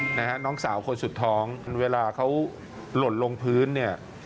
นะฮะน้องสาวคนสุดท้องเวลาเขาหล่นลงพื้นเนี่ย